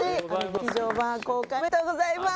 劇場版公開おめでとうございます！